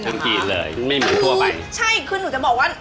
จีนเลยไม่เหมือนทั่วไปใช่คือหนูจะบอกว่า